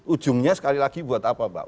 ujungnya sekali lagi buat apa pak